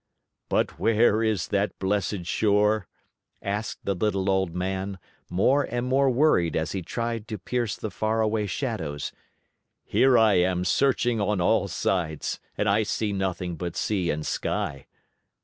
"But where is that blessed shore?" asked the little old man, more and more worried as he tried to pierce the faraway shadows. "Here I am searching on all sides and I see nothing but sea and sky."